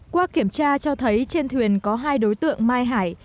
qua kiểm tra cho thấy trên thuyền có hai đối tượng mai hải